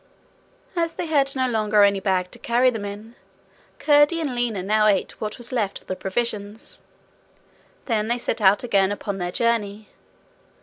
As they had no longer any bag to carry them in, Curdie and Lina now ate what was left of the provisions. Then they set out again upon their journey.